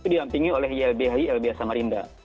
dilampingi oleh ylbhi lbi samarinda